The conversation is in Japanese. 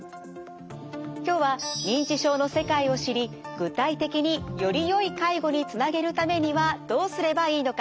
今日は認知症の世界を知り具体的によりよい介護につなげるためにはどうすればいいのか。